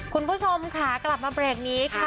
คุณผู้ชมค่ะกลับมาเบรกนี้ค่ะ